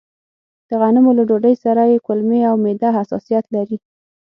د غنمو له ډوډۍ سره يې کولمې او معده حساسيت لري.